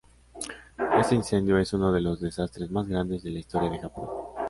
Este incendio es uno de los desastres más grandes de la historia de Japón.